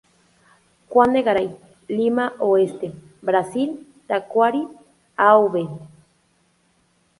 Juan de Garay, Lima Oeste, Brasil, Tacuarí, Av.